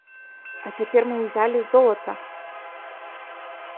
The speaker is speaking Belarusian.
А цяпер мы ўзялі золата!